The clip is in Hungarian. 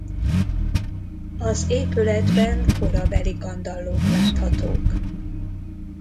Az épületben korabeli kandallók láthatók.